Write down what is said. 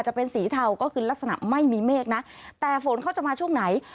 จะเป็นสีเทาก็คือลักษณะไม่มีเมฆนะแต่ฝนเขาจะมาช่วงไหน